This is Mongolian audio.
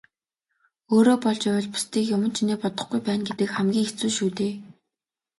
Өөрөө болж байвал бусдыг юман чинээ бодохгүй байна гэдэг хамгийн хэцүү шүү дээ.